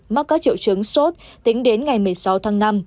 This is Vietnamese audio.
mắc các triệu chứng sốt tính đến ngày một mươi sáu tháng năm